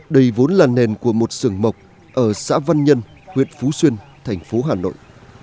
đây vốn là nền của một sường mộc ở xã văn nhân huyện phú xuyên thành phố hà nội